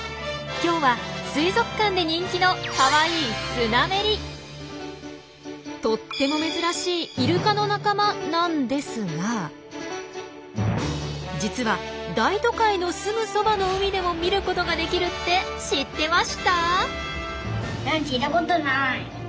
今日は水族館で人気のかわいいとっても珍しいイルカの仲間なんですが実は大都会のすぐそばの海でも見ることができるって知ってました？